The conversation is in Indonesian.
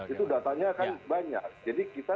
itu datanya kan banyak jadi kita